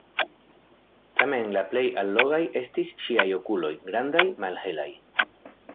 Tamen la plej allogaj estis ŝiaj okuloj, grandaj, malhelaj.